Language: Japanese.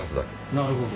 なるほど。